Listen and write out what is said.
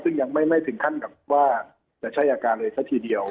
ซึ่งยังไม่ถึงขั้นกับว่าจะใช้อาการเลยซะทีเดียว